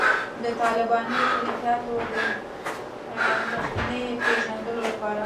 د طالباني الهیاتو د مخینې پېژندلو لپاره.